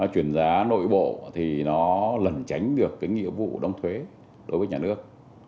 chuyển giá nội bộ thì nó lẩn tránh được cái nghĩa vụ đóng thuế đối với nhà nước